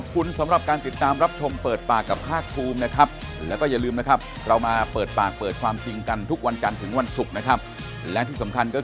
คุณก็ต้องไม่ได้